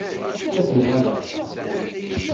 Ad uɣaleɣ.